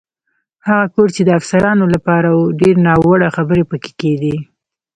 هغه کور چې د افسرانو لپاره و، ډېرې ناوړه خبرې پکې کېدې.